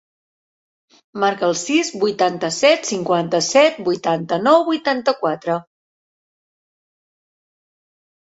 Marca el sis, vuitanta-set, cinquanta-set, vuitanta-nou, vuitanta-quatre.